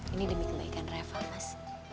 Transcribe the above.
ini demi kebaikan reva mas